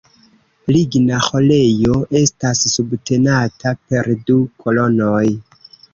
Ligna ĥorejo estas subtenata per du kolonoj.